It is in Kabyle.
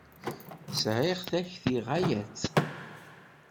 Sɛiɣ takti ɣaya-tt.